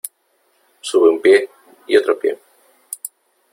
sube un pie y otro pie .